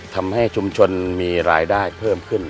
ทำให้ชุมชนมีรายได้เพิ่มขึ้น